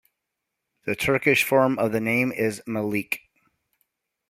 The Turkish form of the name is Melek.